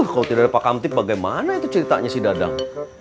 kau tidak ada pak kamtip bagaimana itu ceritanya si dadang